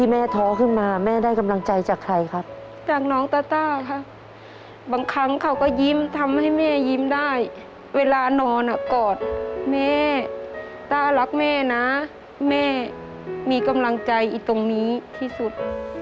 แม่มีกำลังใจอีกตรงนี้ที่สุด